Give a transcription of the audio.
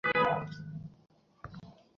সাহস তোমাদের আছে।